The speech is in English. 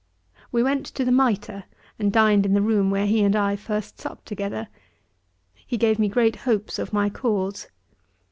We went to the Mitre, and dined in the room where he and I first supped together. He gave me great hopes of my cause.